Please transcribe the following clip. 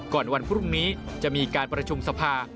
วันพรุ่งนี้จะมีการประชุมสภา